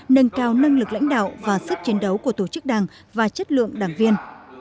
nâng cao năng lực lãnh đạo và sức chiến đấu của tổ chức đảng và chất lượng đảng viên